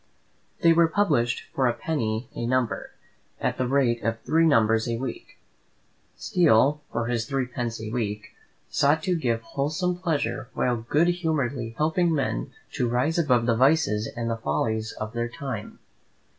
They were published for a penny a number, at the rate of three numbers a week. Steele, for his threepence a week, sought to give wholesome pleasure while good humouredly helping men to rise above the vices and the follies of their time.